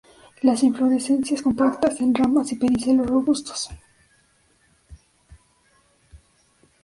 Las inflorescencias compactas, en ramas y pedicelos robustos.